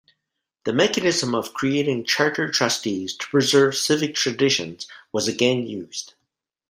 The mechanism of creating charter trustees to preserve civic traditions was again used.